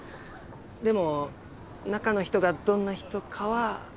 でも中の人がどんな人かは。